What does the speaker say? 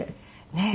ねえ。